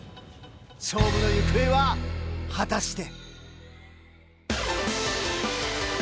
勝負の行方は果たして。